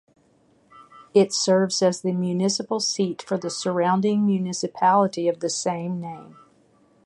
It serves as the municipal seat for the surrounding municipality of the same name.